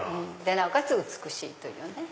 なおかつ美しいというね。